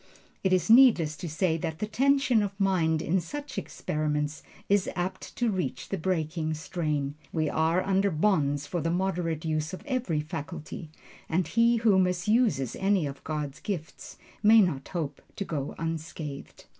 It is needless to say that the tension of mind in such experiments is apt to reach the breaking strain. We are under bonds for the moderate use of every faculty, and he who misuses any of God's gifts may not hope to go unscathed.